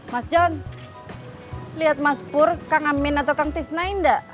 mas john liat mas pur kang amin atau kang tisna indah